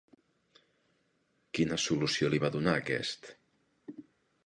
Quina solució li va donar aquest?